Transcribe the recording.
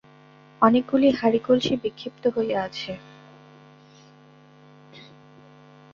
অনেকগুলি হাঁড়ি-কলসী বিক্ষিপ্ত হইয়া আছে।